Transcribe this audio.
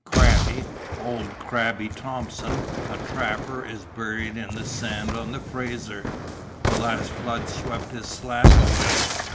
Crabby old Crabby Tompkins, a trapper, is buried in the sand on the Frazer. The last flood swept his slab away.